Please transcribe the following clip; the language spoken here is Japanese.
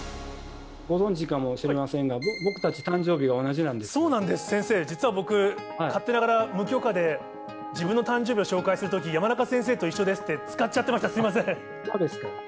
ご存じかもしれませんが、僕たち、そうなんです、先生、実は僕、勝手ながら、無許可で自分の誕生日を紹介するとき、山中先生と一緒ですって使そうですか。